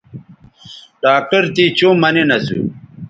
ڈاکٹر تے چوں مہ نین اسو